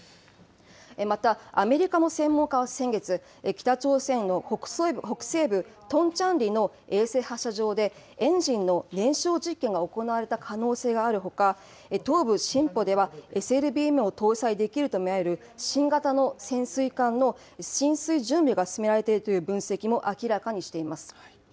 また、アメリカの専門家は先月、北朝鮮の北西部トンチャンリの衛星発射場で、エンジンの燃焼実験が行われた可能性があるほか、東部シンポでは、ＳＬＢＭを搭載できると見られる新型の潜水艦の進水準備が進められているという分析も明らかにしています。